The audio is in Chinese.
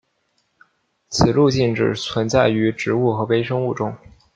此路径只存在于植物和微生物中。